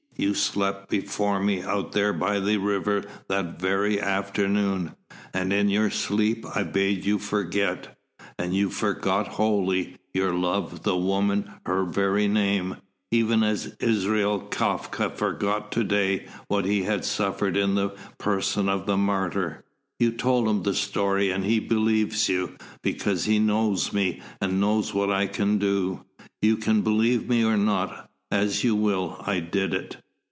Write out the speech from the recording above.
You slept before me, out there by the river that very afternoon. And in your sleep I bade you forget. And you forgot wholly, your love, the woman, her very name, even as Israel Kafka forgot to day what he had suffered in the person of the martyr. You told him the story, and he believes you, because he knows me, and knows what I can do. You can believe me or not; as you will. I did it."